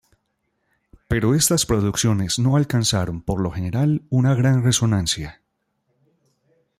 Pero estas producciones no alcanzaron por lo general una gran resonancia.